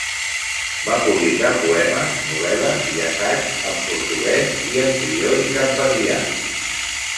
Va publicar poemes, novel·les i assaigs en portuguès i en crioll capverdià.